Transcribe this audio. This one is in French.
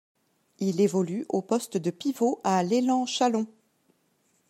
Il évolue au poste de pivot à l'Élan Chalon.